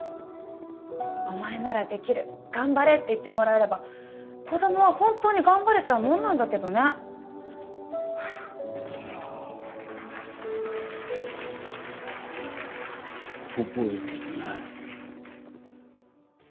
「お前ならできる頑張れ」って言ってもらえれば子どもは本当に頑張れちゃうもんなんだけどね覚えてない。